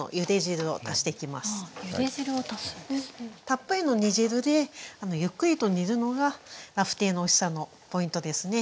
たっぷりの煮汁でゆっくりと煮るのがラフテーのおいしさのポイントですね。